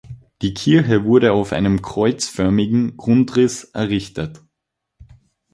Die Kirche wurde auf einem kreuzförmigen Grundriss errichtet.